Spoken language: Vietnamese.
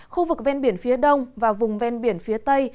khu vực ven biển phía đông và vùng ven biển phía tây